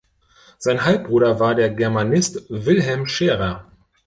Sein Halbbruder war der Germanist Wilhelm Scherer.